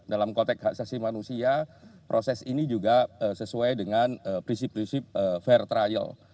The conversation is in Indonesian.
dalam kotek haksasi manusia proses ini juga sesuai dengan prinsip prinsip fair trial